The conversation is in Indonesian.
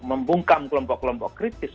membungkam kelompok kelompok kritis